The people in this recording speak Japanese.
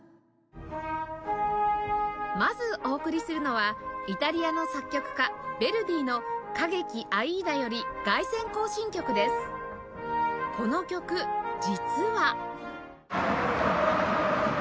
まずお送りするのはイタリアの作曲家ヴェルディのこの曲実は